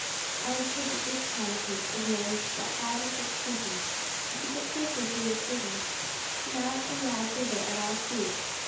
I am told that this plan of his is known to but five or six persons. If you get safely through this business mount and ride thither at all speed.